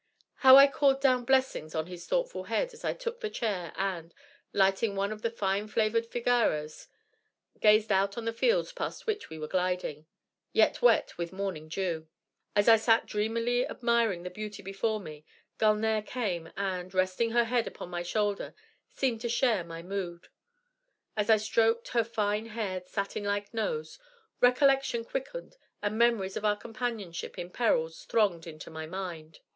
How I called down blessings on his thoughtful head as I took the chair and, lighting one of the fine flavored figaros, gazed out on the fields past which we were gliding, yet wet with morning dew. As I sat dreamily admiring the beauty before me, Gulnare came and, resting her head upon my shoulder, seemed to share my mood. As I stroked her fine haired, satin like nose, recollection quickened and memories of our companionship in perils thronged into my mind.